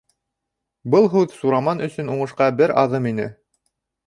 Был һүҙ Сураман өсөн уңышҡа бер аҙым ине.